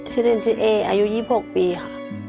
ชื่อเล่นชื่อเออายุ๒๖ปีค่ะ